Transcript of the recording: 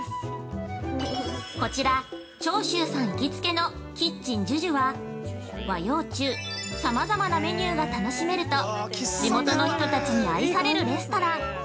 ◆こちら長州さん行きつけのキッチン樹樹は和洋中さまざまなメニューが楽しめると地元の人たちに愛されるレストラン。